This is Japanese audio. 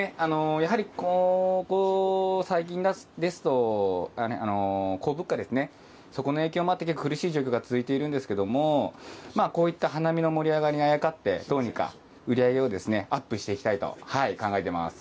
やはり、ここ最近ですと、高物価ですね、そこの影響もあって、結構苦しい状況が続いているんですけれども、こういった花見の盛り上がりにあやかってどうにか、売り上げをアップしていきたいと考えています。